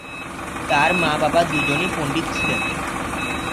তার মা-বাবা দুজনই পণ্ডিত ছিলেন।